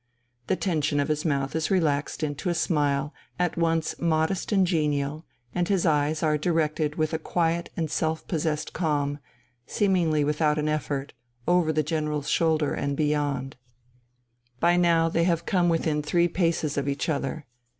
The tension of his mouth is relaxed into a smile at once modest and genial, and his eyes are directed with a quiet and self possessed calm, seemingly without an effort, over the general's shoulder and beyond. By now they have come within three paces of each other.